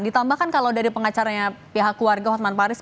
ditambahkan kalau dari pengacaranya pihak keluarga hotman paris